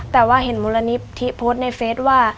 แต่ว่าเห็นมูลนิธิโพสต์ในเฟสว่า